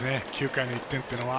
９回の１点は。